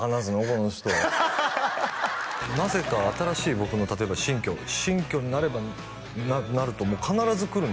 この人なぜか新しい僕の例えば新居新居になると必ず来るんですよ